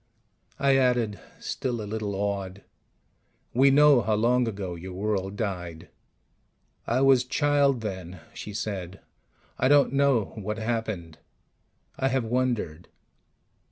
I added, still a little awed: "We know how long ago your world died." "I was child then," she said, "I don't know what happened. I have wondered."